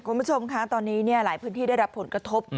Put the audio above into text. คุณผู้ชมคะตอนนี้หลายพื้นที่ได้รับผลกระทบ